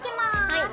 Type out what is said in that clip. はい。